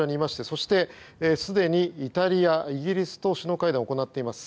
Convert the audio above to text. そして、すでにイタリア、イギリスと首脳会談を行っています。